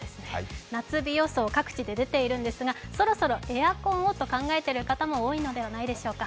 夏日予想、各地で出ているんですがそろそろエアコンをと考えている方も多いのではないでしょうか。